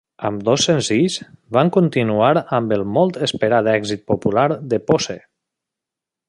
Ambdós senzills van continuar amb el molt esperat èxit popular de Posse.